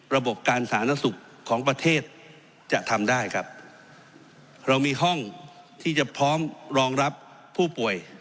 ระบบการสาธารณสุขของประเทศจะทำได้ครับเรามีห้องที่จะพร้อมรองรับผู้ป่วย